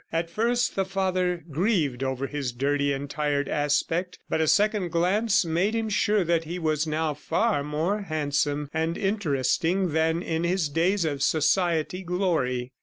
At first, the father grieved over his dirty and tired aspect, but a second glance made him sure that he was now far more handsome and interesting than in his days of society glory.